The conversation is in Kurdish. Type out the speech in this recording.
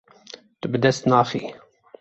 Tu bi dest naxî.